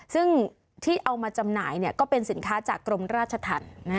ซึ่งที่เอามาจำหน่ายก็เป็นสินค้าจากกรมราชธรรม